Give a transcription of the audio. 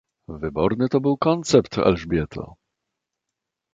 "wyborny to był koncept, Elżbieto!"